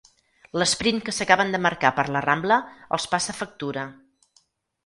L'esprint que s'acaben de marcar per la Rambla els passa factura.